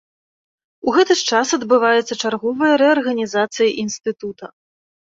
У гэты ж час адбываецца чарговая рэарганізацыя інстытута.